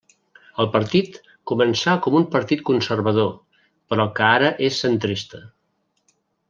El partit començà com a un partit conservador però que és ara centrista.